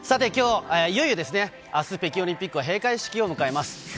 いよいよ明日、北京オリンピックは閉会式を迎えます。